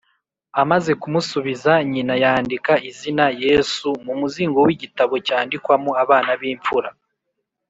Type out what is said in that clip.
Amaze kumusubiza nyina, yandika izina “Yesu” mu muzingo w’igitabo cyandikwamo abana b’imfura